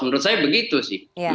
menurut saya begitu sih